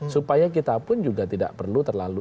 supaya kita pun juga tidak perlu terlalu